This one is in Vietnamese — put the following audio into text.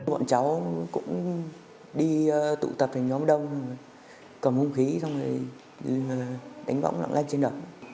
bọn cháu cũng đi tụ tập thành nhóm đông cầm hung khí xong rồi đánh bóng lặng lanh trên đất